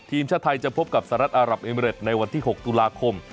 ทีมชาติไทยจะพบกับสหรัฐอารับเอเมริตในวันที่๖ตุลาคม